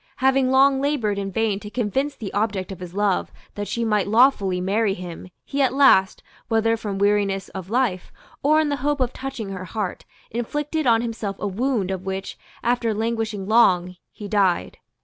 Having long laboured in vain to convince the object of his love that she might lawfully marry him, he at last, whether from weariness of life, or in the hope of touching her heart, inflicted on himself a wound of which, after languishing long, he died.